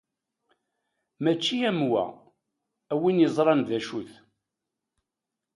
Mačči am wa, a win yeẓran d acu-t.